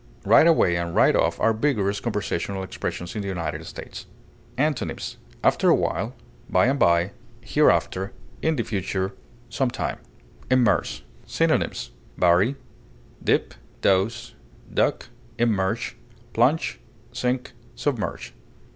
Right away and right off are vigorous conversational expressions in the United States. Antonyms: after a while, by and by, hereafter, in the future, some time. IMMERSE. Synonyms: bury, dip, douse, duck, immerge, plunge, sink, submerge.